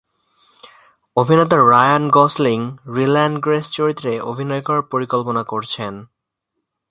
অভিনেতা Ryan Gosling Ryland Grace চরিত্রে অভিনয় করার পরিকল্পনা করছেন।